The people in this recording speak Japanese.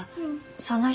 その人。